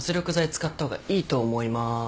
使った方がいいと思います。